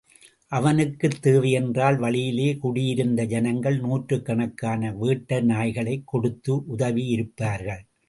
அவனுக்குத் தேவையென்றால், வழியிலே குடியிருந்த ஜனங்கள் நூற்றுக்கணக்கான வேட்டைநாய்களைக் கொடுத்து உதவியிருப்பார்கள்.